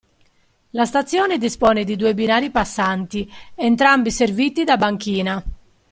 La stazione dispone di due binari passanti, entrambi serviti da banchina.